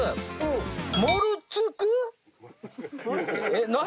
えっ何？